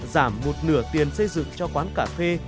giảm một nửa tiền xây dựng cho quán cà phê